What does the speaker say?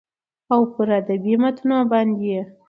او پر ادبي متونو باندې يې